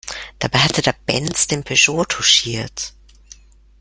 Dabei hat der Benz den Peugeot touchiert.